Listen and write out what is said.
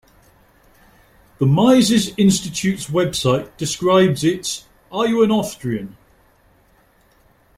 The Mises Institute's website describes its Are You An Austrian?